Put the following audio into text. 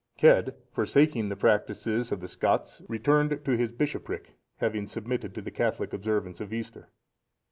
Cedd, forsaking the practices of the Scots, returned to his bishopric, having submitted to the Catholic observance of Easter.